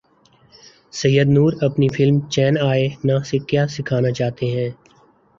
سید نور اپنی فلم چین ائے نہ سے کیا سکھانا چاہتے ہیں